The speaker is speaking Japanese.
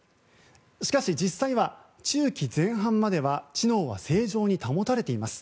しかし、実際は中期前半までは知能は正常に保たれています。